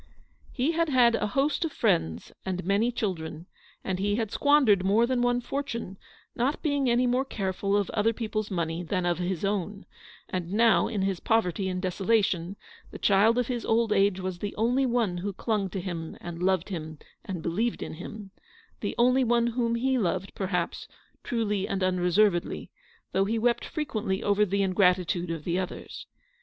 He had had a host of friends and many chil dren, and he had squandered more than one fortune, not being any more careful of other people's money than of his own ; and now, in his poverty and desolation, the child of his old age was the only one who clung to him and loved him and believed in him; the only one whom he loved, perhaps, truly and unreservedly, though he wept frequently over the ingratitude of the others.